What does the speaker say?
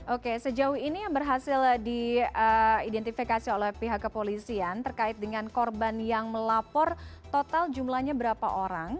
oke sejauh ini yang berhasil diidentifikasi oleh pihak kepolisian terkait dengan korban yang melapor total jumlahnya berapa orang